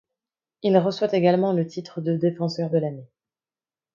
Il reçoit également le titre de défenseur de l'année.